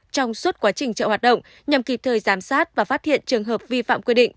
trong suốt quá trình chợ hoạt động nhằm kịp thời giám sát và phát hiện trường hợp vi phạm quy định